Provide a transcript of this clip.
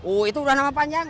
oh itu udah nama panjang